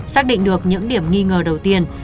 xác định được những điểm nghi ngờ đầu tiên